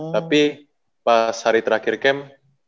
tapi pas hari terakhir camp